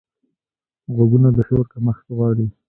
غوږونه د شور کمښت غواړي